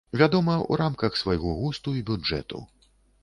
Вядома, у рамках свайго густу і бюджэту.